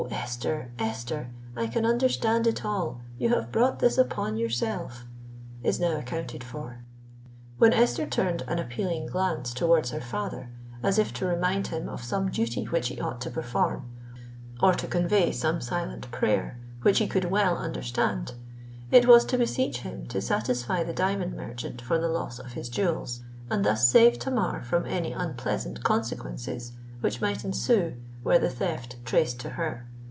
Esther—Esther, I can understand it all! You have brought this upon yourself!_"—is now accounted for. When Esther turned _an appealing glance towards her father, as if to remind him of some duty which he ought to perform, or to convey some silent prayer which he could well understand_,—it was to beseech him to satisfy the diamond merchant for the loss of his jewels, and thus save Tamar from any unpleasant consequences which might ensue were the theft traced to her.